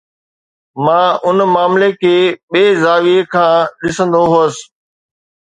مان ان معاملي کي ٻئي زاويي کان ڏسندو هوس.